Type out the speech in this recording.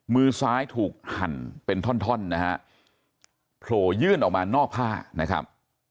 มือซ้ายถูกหั่นเป็นท่อนท่อนนะฮะโผล่ยื่นออกมานอกผ้านะครับ